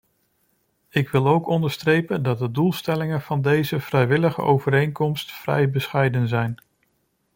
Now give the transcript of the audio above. Ik wil ook onderstrepen dat de doelstellingen van deze vrijwillige overeenkomst vrij bescheiden zijn.